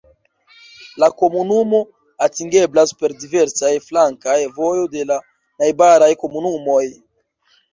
La komunumo atingeblas per diversaj flankaj vojo de la najbaraj komunumoj.